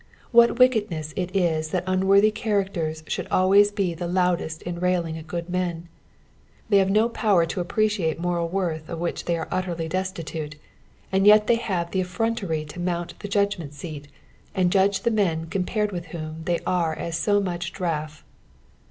What wickedness it ia that unworthy characters should alwa;s be the loudest in railing at good men ) They hare no power to appreciate moral worth of which they are utterly destitute, and yet the; have the effrontery to mount the judgment seat, and judge the men compared with whom they are as so much draff.